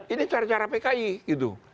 ini cara cara pki gitu